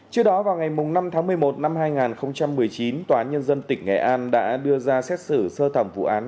trước đó vào ngày năm tháng một mươi một năm hai nghìn một mươi chín tòa án nhân dân tỉnh nghệ an đã đưa ra xét xử sơ thẩm vụ án